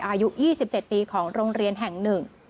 อายุ๒๗ปีของโรงเรียนแห่งหนึ่ง